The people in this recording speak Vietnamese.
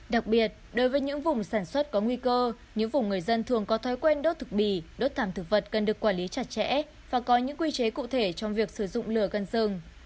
đặc biệt đối với những vùng sản xuất có nguy cơ những vùng người dân thường có thói quen đốt thực bì đốt thảm thực vật cần được quản lý chặt chẽ và có những quy chế cụ thể trong việc sử dụng lửa gần rừng